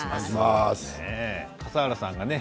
笠原さんがね